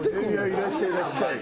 いらっしゃいいらっしゃい。